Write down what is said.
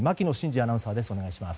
アナウンサーです。